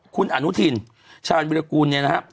คุณอนุทินชาญวิลกูลเนี่ยนะฮะ